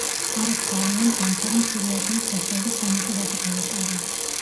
არაბთა არმიამ ზამთარი მცირე აზიის დასავლეთ სანაპიროზე გაატარა.